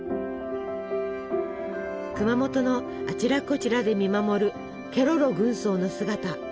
熊本のあちらこちらで見守るケロロ軍曹の姿。